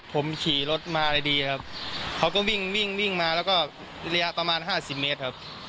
ผมขี่รถมาเลยดีครับเขาก็วิ่งวิ่งมาแล้วก็ระยะประมาณ๕๐เมตรครับ